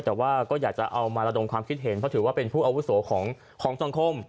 แต่ว่าก็อยากจะเอามาระดมความคิดเห็นเพราะถือว่าเป็นผู้อาวุโสของสังคม